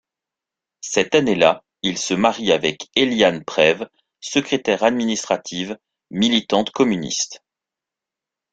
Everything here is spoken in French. Cette année-là il se marie avec Éliane Prève, secrétaire administrative, militante communiste.